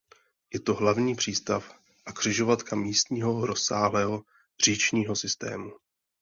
Je to hlavní přístav a křižovatka místního rozsáhlého říčního systému.